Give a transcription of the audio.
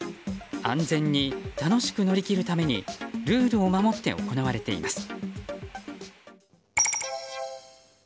安全に楽しく乗り切るためにルールを守って行われています。